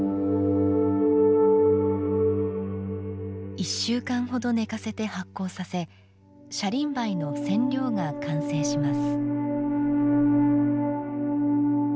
１週間ほど寝かせて発酵させ、シャリンバイの染料が完成します。